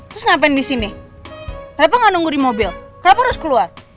terus ngapain di sini kenapa nggak nunggu di mobil kenapa harus keluar